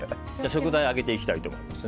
食材を揚げていきたいと思います。